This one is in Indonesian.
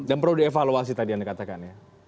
dan perlu dievaluasi tadi yang dikatakan ya